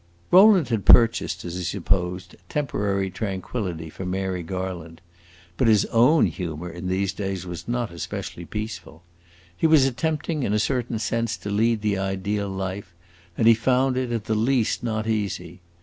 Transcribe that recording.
Rowland had purchased, as he supposed, temporary tranquillity for Mary Garland; but his own humor in these days was not especially peaceful. He was attempting, in a certain sense, to lead the ideal life, and he found it, at the least, not easy.